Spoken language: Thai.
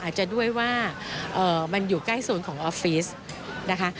จะด้วยว่ามันอยู่ใกล้โซนของออฟฟิศนะคะ